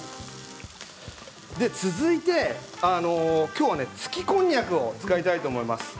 続いて今日はつきこんにゃくを使いたいと思います。